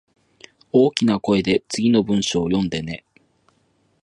大きな声で次の文章を読んでね